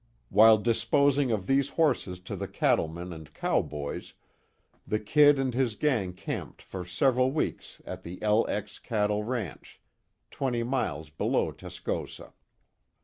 While disposing of these horses to the cattlemen and cowboys, the "Kid" and his gang camped for several weeks at the "LX" cattle ranch, twenty miles below Tascosa.